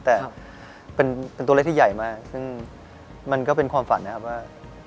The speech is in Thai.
แต่เป็นตัวเลขที่ใหญ่มากซึ่งมันก็เป็นความฝันนะครับว่า